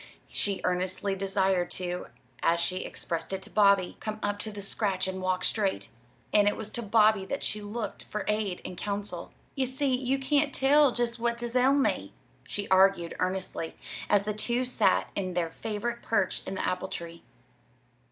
She earnestly desired to as she expressed it to Bobby "come up to the scratch and walk straight"; and it was to Bobby that she looked for aid and counsel. "You see, you can tell just what 'tis ails me," she argued earnestly, as the two sat in their favorite perch in the apple tree.